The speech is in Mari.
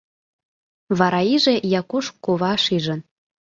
Вара иже Якуш кува шижын.